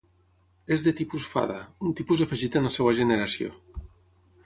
És de tipus fada, un tipus afegit en la seva generació.